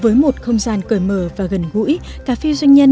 với một không gian cởi mở và gần gũi cà phê doanh nhân